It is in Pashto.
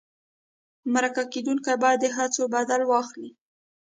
مرکه کېدونکی باید د هڅو بدل واخلي.